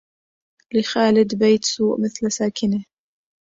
لخالد بيت سوء مثل ساكنه